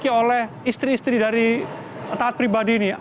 yang dimiliki oleh istri istri dari taat pribadi ini